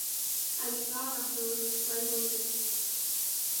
Alle Fahrer fuhren zwei Runden.